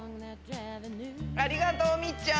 ありがとうみっちゃん。